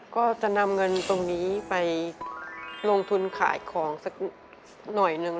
ก็จะนำเงินตรงนี้ไปลงทุนขายของสักหน่อยหนึ่ง